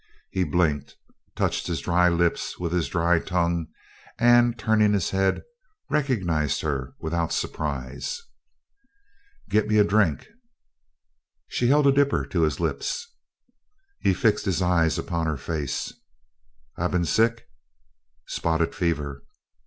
He blinked, touched his dry lips with his dry tongue and, turning his head, recognized her without surprise. "Git me a drink." She held a dipper to his lips. He fixed his eyes upon her face. "I been sick?" "Spotted fever."